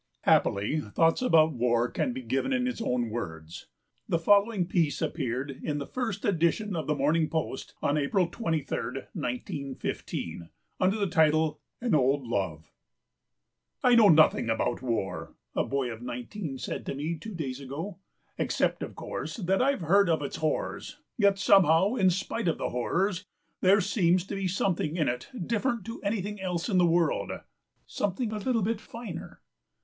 Happily thoughts about war can be given in his own words. The following piece appeared in the first edition of the Morning Post of April 23, 1915, under the title, An Old Love— p. xviii"'I know nothing about war,' a boy of nineteen said to me two days ago, 'except, of course, that I've heard of its horrors; yet, somehow, in spite of the horrors, there seems to be something in it different to anything else in the world, something a little bit finer.